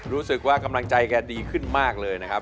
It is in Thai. รู้สึกว่ากำลังใจแกดีขึ้นมากเลยนะครับ